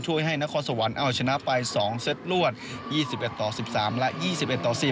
ให้นครสวรรค์เอาชนะไป๒เซตรวด๒๑ต่อ๑๓และ๒๑ต่อ๑๐